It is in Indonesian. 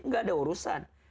nggak ada urusan